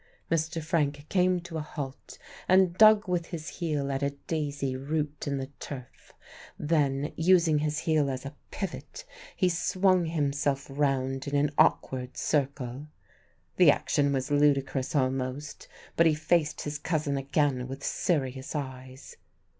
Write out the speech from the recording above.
Mr. Frank came to a halt and dug with his heel at a daisy root in the turf. Then using his heel as a pivot he swung himself round in an awkward circle. The action was ludicrous almost, but he faced his cousin again with serious eyes.